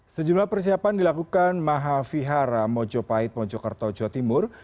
sejumlah persiapan dilakukan maha vihara mojo pahit mojo kertojo timur